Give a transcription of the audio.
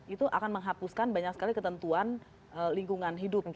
itu akan menghapuskan banyak sekali ketentuan lingkungan hidup